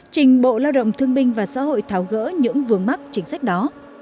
trình bộ lao động thương minh và xã hội tháo gỡ những vườn mắt chính sách đó